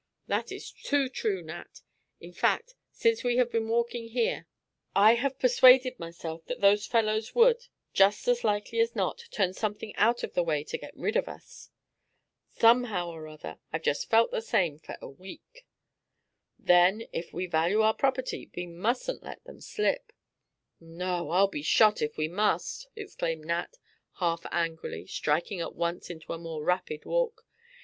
"That is too true, Nat. In fact, since we have been walking here, I have persuaded myself that those fellows would, just as likely as not, turn something out of the way to get rid of us." "Somehow or other, I've felt just the same for a week." "Then, if we value our property, we mustn't let them slip." "No; I'll be shot, if we must!" exclaimed Nat, half angrily, striking at once into a more rapid walk.